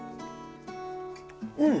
うん！